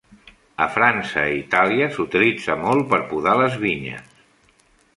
A França i Itàlia s'utilitza molt per podar les vinyes.